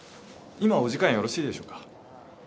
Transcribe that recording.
今お時間よろしいでしょうか？